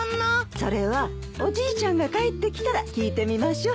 それはおじいちゃんが帰ってきたら聞いてみましょう。